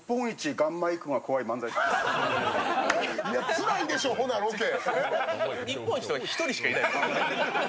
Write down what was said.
つらいでしょ、ロケ。